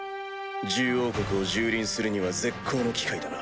獣王国を蹂躙するには絶好の機会だな。